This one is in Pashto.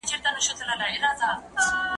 زه مينه نه څرګندوم!!